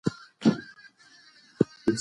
بهرنۍ پیسې باید هېواد ته راوړل شي.